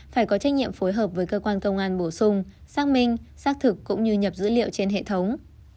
phải có trách nhiệm phối hợp với cơ quan công an bổ sung xác minh xác thực cũng như nhập dữ liệu trên hệ thống